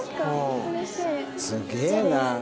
すげえな。